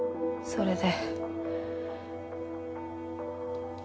それで？